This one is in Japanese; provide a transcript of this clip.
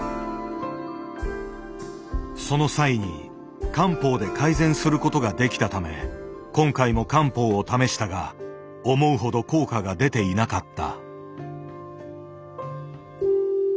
その際に漢方で改善することができたため今回も漢方を試したが思うほど効果が出ていなかった。